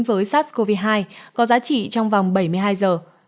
với sars cov hai có giá trị trong vòng bảy mươi hai giờ